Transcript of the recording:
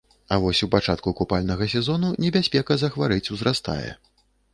А вось у пачатку купальнага сезону небяспека захварэць узрастае.